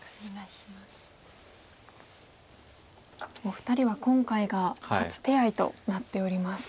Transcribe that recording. お二人は今回が初手合となっております。